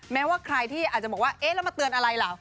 แม้ว่าใครที่อาจจะบอกว่าเอ๊ะแล้วมาเตือนอะไรล่ะ